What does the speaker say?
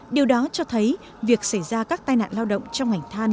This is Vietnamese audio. điều đó cho thấy việc xảy ra các tai nạn lao động trong ngành than là rất cao